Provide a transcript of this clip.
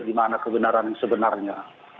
di mana kebenaran yang sebenarnya